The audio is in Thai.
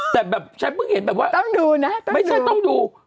แต่แบบฉันเพิ่งเห็นแบบว่าไม่ใช่ต้องดู